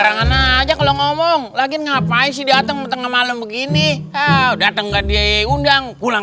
ngomong lagi ngapain sih datang tengah malam begini datang ke diundang pulang